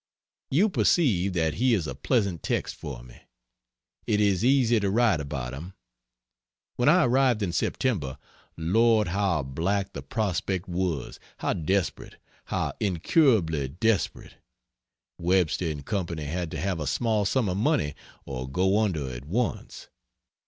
You perceive that he is a pleasant text for me. It is easy to write about him. When I arrived in September, lord how black the prospect was how desperate, how incurably desperate! Webster and Co. had to have a small sum of money or go under at once.